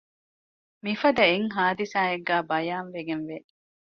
މިފަދަ އެއް ޙާދިޘާއެއްގައި ބަޔާންވެގެންވެ